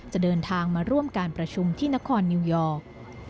จะเดินทางมาร่วมการประชุมที่นครนิวยอร์ก